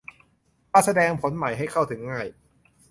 มาแสดงผลใหม่ให้เข้าถึงง่าย